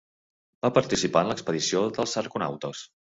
Va participar en l'expedició dels argonautes.